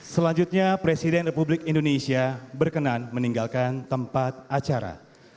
selanjutnya presiden republik indonesia berkenan meninggalkan tempat acara